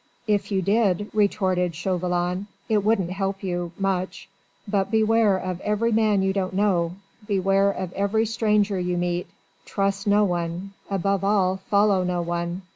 "If you did," retorted Chauvelin, "it wouldn't help you ... much. But beware of every man you don't know; beware of every stranger you meet; trust no one; above all, follow no one.